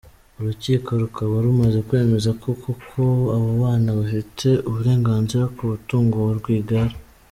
Urukiko rukaba rumaze kwemeza ko koko abo bana bafite uburenganzira ku mutungo wa Rwigara.